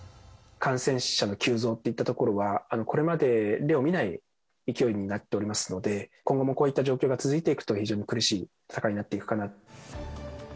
感染者の急増といったところは、これまでに例を見ない勢いになっておりますので、今後もこういった状況が続いていくと、非常に苦しい闘いになっていくかな。